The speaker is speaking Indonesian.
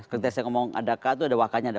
ketika saya ngomong ada k itu ada wakanya